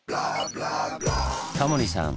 タモリさん